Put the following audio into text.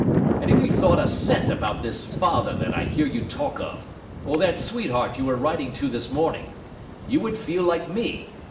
And if you thought a cent about this father that I hear you talk of, or that sweetheart you were writing to this morning, you would feel like me.